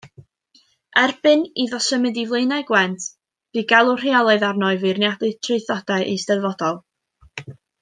Erbyn iddo symud i Flaenau Gwent bu galw rheolaidd arno i feirniadu traethodau eisteddfodol.